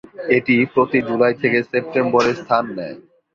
এটি প্রতি জুলাই থেকে সেপ্টেম্বরে স্থান নেয়।